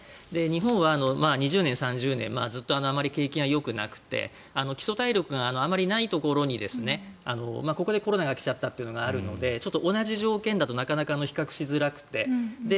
日本は２０年、３０年ずっとあまり景気がよくなくて基礎体力があまりないところにここでコロナが来ちゃったというのがあるのでちょっと同じ条件だとなかなか比較しづらくて。